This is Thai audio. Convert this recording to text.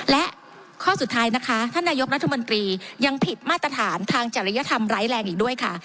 และข้อสุดท้ายนะคะท่านนายกรัฐมนตรียังผิดมาตรฐานทางจริยธรรมร้ายแรงอีกด้วยค่ะ